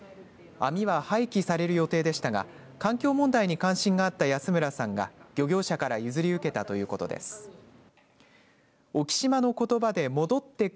網は廃棄される予定でしたが環境問題に関心があった安村さんが漁業者から譲り受けたということです。